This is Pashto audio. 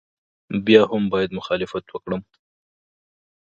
بیا هم باید مخالفت وکړم.